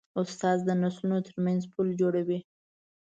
استاد د نسلونو ترمنځ پل جوړوي.